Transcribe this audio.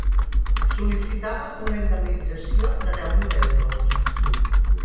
Sol·licitava una indemnització de deu mil euros.